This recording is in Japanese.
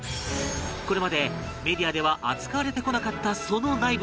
これまでメディアでは扱われてこなかったそのはい！